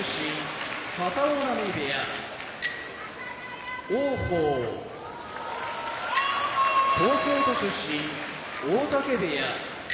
片男波部屋王鵬東京都出身大嶽部屋